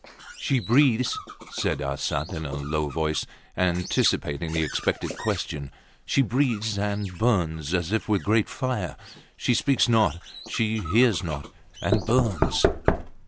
She breathes, said Arsat in a low voice, anticipating the expected question. She breathes and burns as if with a great fire. She speaks not; she hears not and burns!